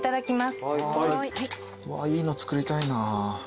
うわいいのつくりたいな。